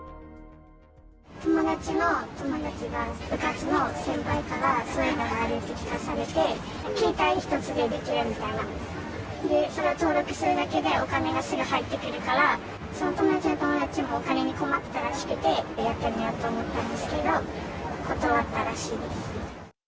友達の友達が部活の先輩からそういうのがあるって聞かされて、ケータイ１つでできるみたいな、それを登録するだけでお金がすぐ入ってくるから、その友達の友達もお金に困ってたらしくてやってみようと思ったんですけど、断ったらしいです。